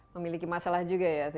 memiliki masalah juga ya